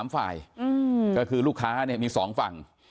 ๓ฝ่ายก็คือลูกค้าเนี่ยมี๒ฝั่ง